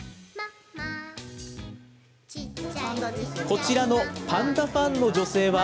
こちらのパンダファンの女性は。